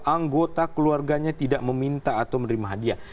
anggota keluarganya tidak meminta atau menerima hadiah